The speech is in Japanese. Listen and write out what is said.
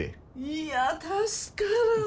いや助かる。